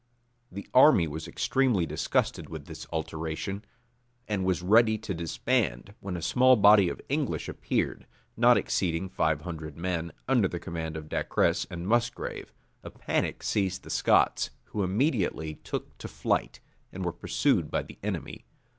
The army was extremely disgusted with this alteration, and was ready to disband, when a small body of English appeared, not exceeding five hundred men, under the command of Dacres and Musgrave. A panic seized the Scots, who immediately took to flight, and were pursued by the enemy.